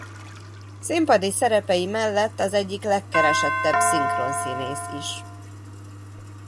Színpadi szerepei mellett az egyik legkeresettebb szinkronszínész is.